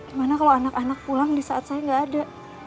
gimana kalau anak anak pulang disaat saya gak ada